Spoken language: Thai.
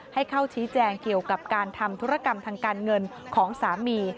ให้เข้าชี้แจงเกี่ยวกับการทำธุรกรรมทางการเงินของสามี